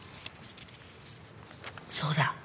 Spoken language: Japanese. そうだ。